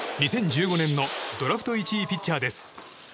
２０１５年のドラフト１位ピッチャーです。